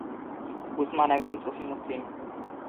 উসমান একজন সুফি মুসলিম।